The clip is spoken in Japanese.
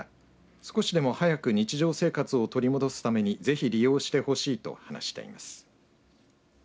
少しでも早く日常生活を取り戻すためにぜひ利用してほしいと話しています。